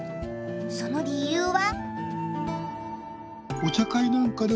その理由は。